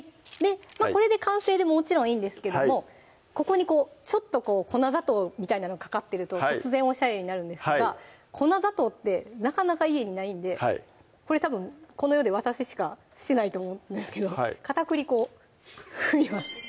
これで完成でもちろんいいんですけどもここにちょっとこう粉砂糖みたいなのかかってると突然おしゃれになるんですが粉砂糖ってなかなか家にないんでこれたぶんこの世で私しかしてないと思うんですけど片栗粉をふります